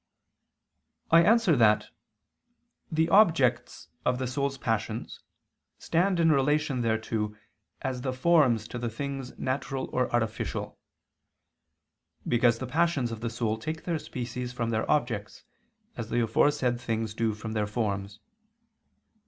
I answer that, The objects of the soul's passions stand in relation thereto as the forms to things natural or artificial: because the passions of the soul take their species from their objects, as the aforesaid things do from their forms.